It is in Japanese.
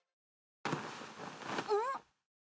うん？